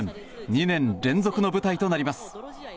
２年連続の舞台となります。